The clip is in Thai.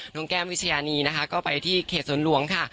แก้มวิชญานีนะคะก็ไปที่เขตสวนหลวงค่ะ